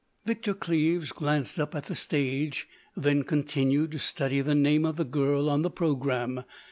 Victor Cleves glanced up at the stage, then continued to study the name of the girl on the programme.